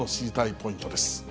ポイントです。